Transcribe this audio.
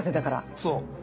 そう。